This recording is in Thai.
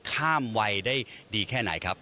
ข้ามวัยได้ดีแค่ไหนครับ